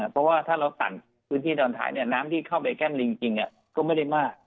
เพราะว่าถ้าเราตัดพื้นที่ดอนถ่ายน้ำที่เข้าไปแก้มลิงจริงก็ไม่ได้มาก